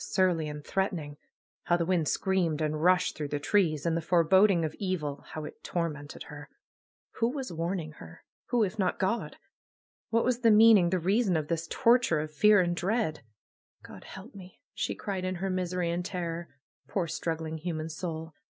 Surly and threatening! How the wind screamed and rushed through the trees ! And the foreboding of evil, how it tormented her ! Who was warning her ? Who, if not God? What was the meaning, the reason of this tor ture of fear and dread? ^^God help me !'^ she cried in her misery and terror. Poor, struggling human soul!